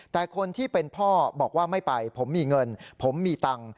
แต่คนที่เป็นพ่อบอกว่าไม่ไปผมมีเงินผมมีตังค์